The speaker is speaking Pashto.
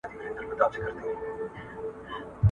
په اهليت کې نقص د چا په طلاق کې وي؟